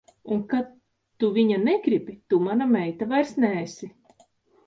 Un kad tu viņa negribi, tu mana meita vairs neesi.